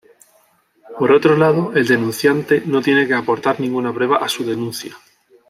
Por otro lado, el denunciante no tiene que aportar ninguna prueba a su denuncia.